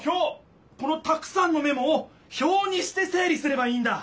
このたくさんのメモをひょうにして整理すればいいんだ！